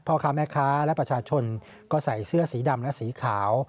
พ่อค้าแม่ค้าและประชาชนก็ใส่เสื้อสีดำและสีขาว